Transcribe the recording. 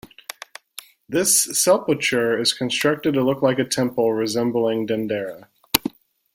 This sepulchre is constructed to look like a temple, resembling Dendera.